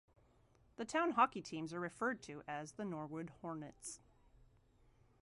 The town hockey teams are referred to as the Norwood Hornets.